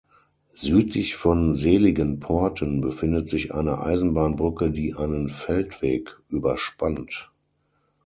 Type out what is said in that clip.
Südlich von Seligenporten befindet sich eine Eisenbahnbrücke die einen Feldweg überspannt.